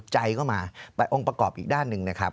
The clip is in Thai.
ใจก็มาองค์ประกอบอีกด้านหนึ่งนะครับ